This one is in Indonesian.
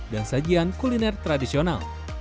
dan sajian kuliner tradisional